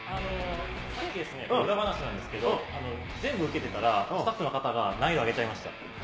さっき、裏話ですけど、全部受けてたら、スタッフの方がないを難易度を上げちゃいました。